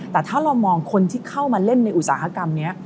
แต่ถ้าเรามองคนที่เข้ามาเล่นในอุตสาหกรรมนี้